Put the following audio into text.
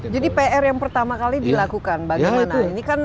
jadi pr yang pertama kali dilakukan bagaimana